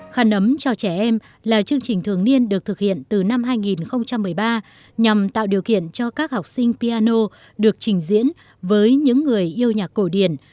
khăn ấm cho trẻ em là chương trình thường niên được thực hiện từ năm hai nghìn một mươi ba nhằm tạo điều kiện cho các học sinh piano được trình diễn với những người yêu nhạc cổ điển